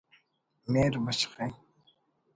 مہر بشخے